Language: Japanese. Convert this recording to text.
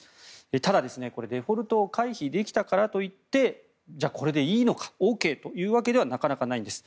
ただ、デフォルトを回避できたからといってじゃあこれでいいのかＯＫというわけではなかなかないんです。